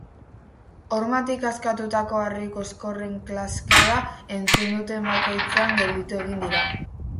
Hormatik askatutako harri koskorren klaskada entzun duten bakoitzean gelditu egin dira.